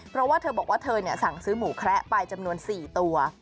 เพราะว่าเธอบอกว่าเธอสั่งซื้อหมูแคระไปจำนวน๔ตัว